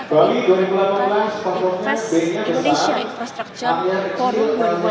kami menemukan indonesia infrastructure forum dua ribu delapan belas